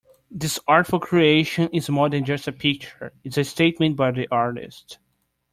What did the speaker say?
This artful creation is more than just a picture, it's a statement by the artist.